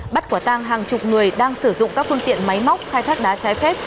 bắt quả tang hàng chục người đang sử dụng các phương tiện máy móc khai thác đá trái phép